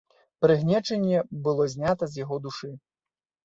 Прыгнечанне было знята з яго душы.